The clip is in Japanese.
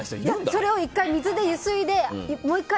それを１回、水でゆすいでもう１回